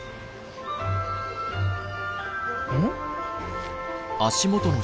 うん？